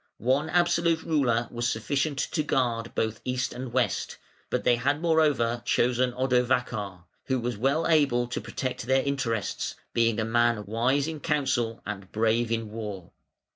One absolute ruler was sufficient to guard both East and West; but they had, moreover, chosen Odovacar, who was well able to protect their interests, being a man wise in counsel and brave in war.